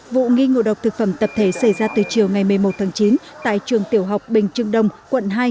vụ nghi ngộ độc thực phẩm tập thể xảy ra từ chiều ngày một mươi một tháng chín tại trường tiểu học bình trưng đông quận hai